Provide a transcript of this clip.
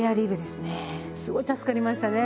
すごい助かりましたね